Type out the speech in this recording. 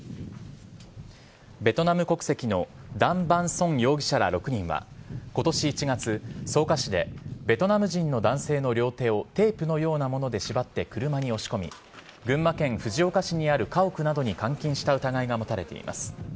ベトナム国籍のダン・ヴァン・ソン容疑者ら６人は今年１月草加市でベトナム人の男性の両手をテープのようなもので縛って車に押し込み群馬県藤岡市にある家屋などに監禁した疑いが持たれています。